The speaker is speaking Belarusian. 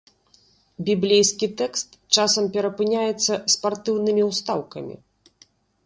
Біблейскі тэкст часам перапыняецца спартыўнымі ўстаўкамі.